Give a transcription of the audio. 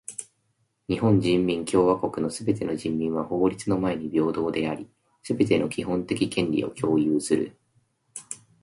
日本人民共和国のすべての人民は法律の前に平等であり、すべての基本的権利を享有する。